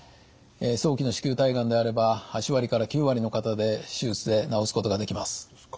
早期の子宮体がんであれば８割から９割の方で手術で治すことができます。